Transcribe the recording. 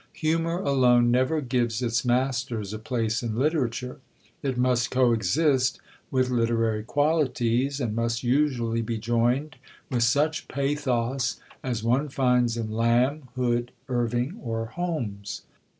Humour alone never gives its masters a place in literature; it must coexist with literary qualities, and must usually be joined with such pathos as one finds in Lamb, Hood, Irving, or Holmes."